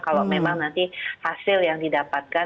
kalau memang nanti hasil yang didapatkan